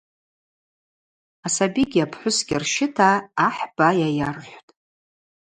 Асабигьи апхӏвысгьи рщыта ахӏ байа йархӏвтӏ.